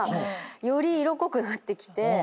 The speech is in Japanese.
より色濃くなってきて。